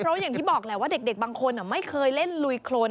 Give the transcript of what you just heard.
เพราะอย่างที่บอกแหละว่าเด็กบางคนไม่เคยเล่นลุยโครน